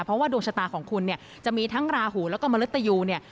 เพราะว่าดวงชะตาของคุณเนี่ยจะมีทั้งราหูแล้วก็มนุษยูเนี่ย